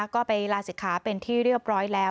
ก็ไปลาศิกขาเป็นที่เรียบร้อยแล้ว